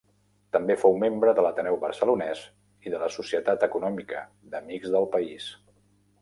També fou membre de l'Ateneu Barcelonès i de la Societat Econòmica d’Amics del País.